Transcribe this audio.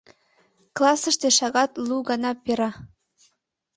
Классыште шагат лу гана пера.